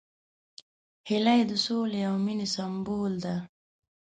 هیلۍ د سولې او مینې سمبول ده